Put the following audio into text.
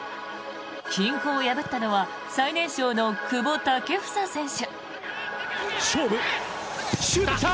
均衡を破ったのは最年少の久保建英選手。